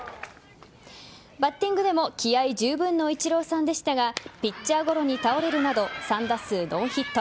バッティングでも気合い十分のイチローさんでしたがピッチャーゴロに倒れるなど３打数ノーヒット。